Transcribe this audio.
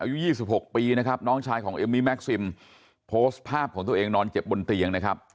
อายุ๒๖ปีนะครับน้องชายของเอมมี่แม็กซิมโพสต์ภาพของตัวเองนอนเจ็บบนเตียงนะครับ